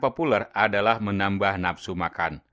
populer adalah menambah nafsu makan